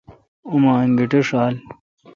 اوما انگیٹھ ݭال۔